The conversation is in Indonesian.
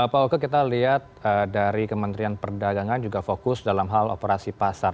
pak oke kita lihat dari kementerian perdagangan juga fokus dalam hal operasi pasar